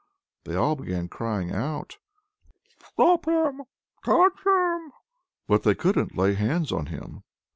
They all began crying out: "Stop him! Catch him!" But they couldn't lay hands on him.